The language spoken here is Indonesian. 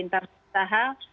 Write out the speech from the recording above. itu harus dua kali lebih keras